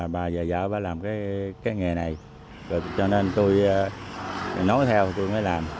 bà và vợ làm cái nghề này cho nên tôi nói theo tôi mới làm